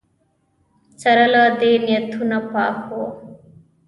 سره له دې نیتونه پاک وو